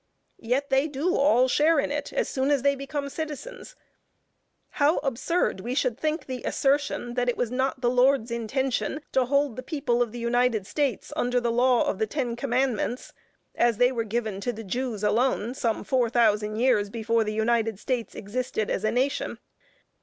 Yet they do all share in it as soon as they become citizens. How absurd we should think the assertion that it was not the Lord's intention to hold the people of the United States under the law of the Ten Commandments, as they were given to the Jews alone, some four thousand years before the United States existed as a nation.